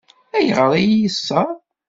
Ayɣer i yi-yeṣṣeṛ?